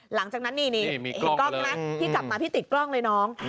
หลังจากนั้นนี่นี่แก๊บมาพี่ติดกล้องเลยน้อง